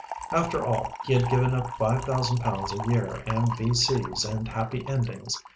After all, he had given up 5,000 pounds a year and V.C.'s and happy endings.